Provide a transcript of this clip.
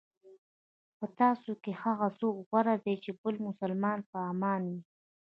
په تاسو کې هغه څوک غوره دی چې بل مسلمان په امان وي.